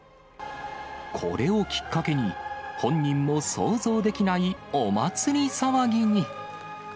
これをきっかけに、本人も想像できないお祭り騒ぎに。